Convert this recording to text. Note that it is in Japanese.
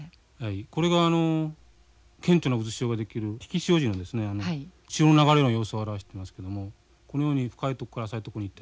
これが顕著な渦潮が出来る引き潮時の潮の流れの様子を表してますけどもこのように深い所から浅い所に行ってるわけです。